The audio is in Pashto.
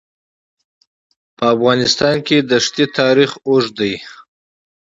په افغانستان کې د ښتې تاریخ اوږد دی.